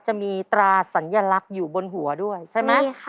จะมีตราสัญลักษณ์อยู่บนหัวด้วยใช่ไหมใช่ค่ะ